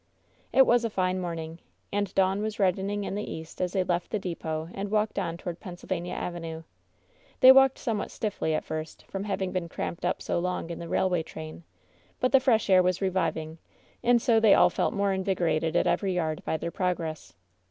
It was a fine morning, and dawn was reddening in the east as they left the depot and walked on toward Penn sylvania Avenue. They walked somewhat stiffly at first, W having been cramped up so long in th! «dl^j train, but the fresh air was reviving, and so they all felt more invigorated at every yard by their progress.